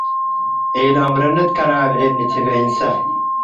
“ኢልአምረኒ ትከናብዔኒ” ትቤ እንሰ።